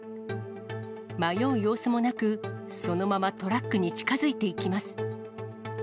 迷う様子もなく、そのままトラックに近づいていきます。